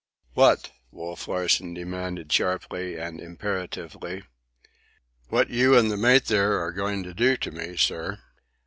"What?" Wolf Larsen demanded, sharply and imperatively. "What you and the mate there are going to do to me, sir."